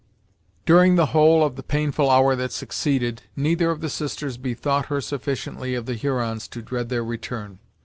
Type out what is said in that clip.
During the whole of the painful hour that succeeded, neither of the sisters bethought her sufficiently of the Hurons to dread their return.